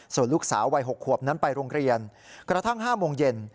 ส่วนลูกสาววัย๖ขวบนั้นไปโรงเรียนกระทั่ง๕โมงเย็น